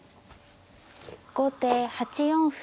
後手８四歩。